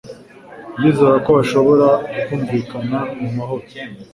Ndizera ko bashobora kumvikana mu mahoro.